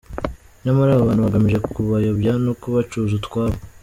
Nyamara aba bantu bagamije kubayobya no kubacuza utwabo